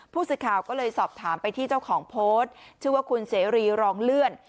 ผู้สื่อข่าวก็เลยสอบถามไปที่เจ้าของโพสต์ชื่อว่าคุณเสรีรองเลื่อน